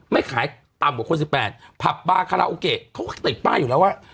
ไม่ขายต่ำกว่าคนสิบแปดผับบาคาราโอเกะเขาก็ติดป้ายอยู่แล้วว่า